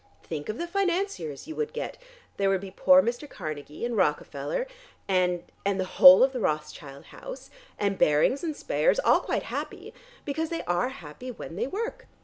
Think of the financiers you would get! There would be poor Mr. Carnegie and Rockefeller and and the whole of the Rothschild house, and Barings and Speyers all quite happy, because they are happy when they work.